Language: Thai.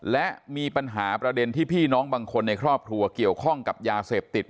และมีปัญหาประเด็นที่พี่น้องบางคนในครอบครัวเกี่ยวข้องกับยาเสพติด